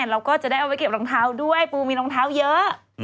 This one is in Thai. เราก็จะได้เอาไว้เก็บรองเท้าด้วยปูมีรองเท้าเยอะ